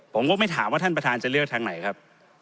ผมก็ไม่ถามว่าท่านประธานจะเลือกทางไหนครับ